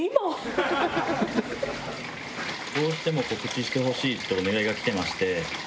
どうしても告知してほしいってお願いがきてまして。